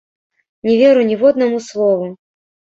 Не веру ніводнаму слову!